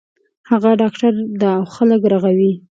هغه ډاکټر ده او خلک رغوی